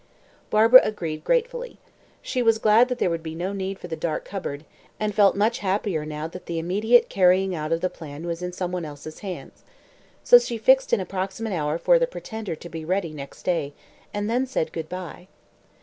Barbara agreed gratefully. She was glad that there would be no need for the dark cupboard, and felt much happier now that the immediate carrying out of the plan was in some one else's hands. So she fixed an approximate hour for the "Pretender" to be ready next day, and then said good bye.